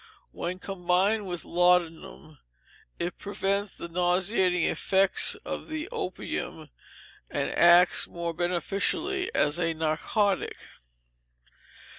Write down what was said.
When combined with laudanum, it prevents the nauseating effects of the opium, and acts more beneficially as a narcotic.